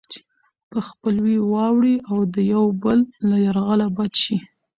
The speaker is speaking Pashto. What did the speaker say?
په خپلوۍ واوړي او د يو بل له يرغله بچ شي.